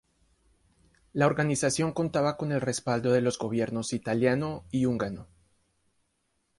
La organización contaba con el respaldo de los Gobiernos italiano y húngaro.